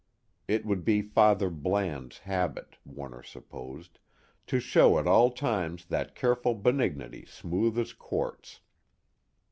It would be Father Bland's habit, Warner supposed, to show at all times that careful benignity smooth as quartz.